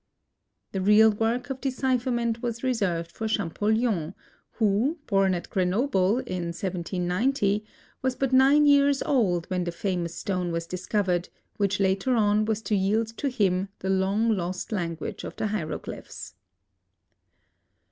The real work of decipherment was reserved for Champollion, who, born at Grenoble, in 1790, was but nine years old when the famous stone was discovered which later on was to yield to him the long lost language of the hieroglyphs.